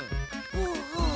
ほうほう。